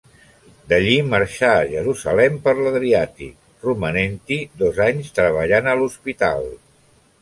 D'allí marxà a Jerusalem per l'Adriàtic, romanent-hi dos anys treballant a l'hospital.